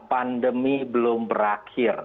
pandemi belum berakhir